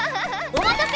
お待たせ！